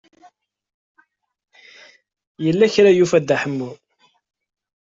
Yella kra i yufa Dda Ḥemmu.